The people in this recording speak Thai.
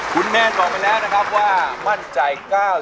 คุณแมนบอกไปแล้วนะครับว่ามั่นใจ๙๐